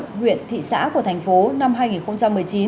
các huyện thị xã của thành phố năm hai nghìn một mươi chín